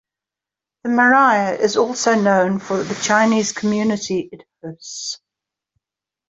The Marais is also known for the Chinese community it hosts.